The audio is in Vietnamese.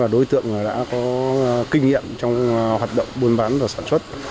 đối tượng đã có kinh nghiệm trong hoạt động buôn bán và sản xuất